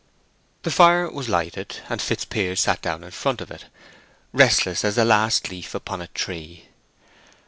The fire was lighted, and Fitzpiers sat down in front of it, restless as the last leaf upon a tree.